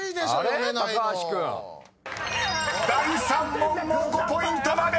［第３問も５ポイントまで！］